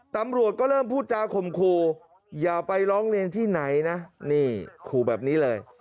ตำรวจก็เริ่มพูดจาข่มขู่อย่าไปร้องเรียนที่ไหนนะนี่ขู่แบบนี้เลย